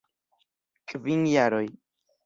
Kvin jaroj!